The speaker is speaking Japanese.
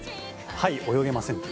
『はい。泳げません』という。